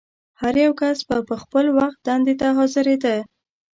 هر یو کس به پر خپل وخت دندې ته حاضرېده.